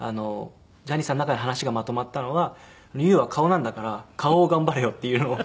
ジャニーさんの中で話がまとまったのは「ＹＯＵは顔なんだから顔を頑張れよ」っていうのを。